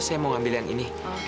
saya mau ngambil yang ini